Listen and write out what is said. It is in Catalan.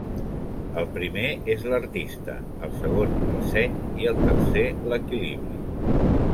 El primer és l'artista, el segon el seny i el tercer l'equilibri.